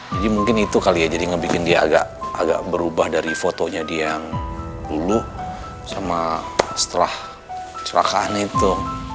jadi mungkin itu kali ya jadi ngebikin dia agak berubah dari fotonya dia yang dulu sama setelah kecelakaan itu